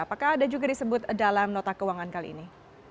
apakah ada juga disebut dalam nota keuangan kali ini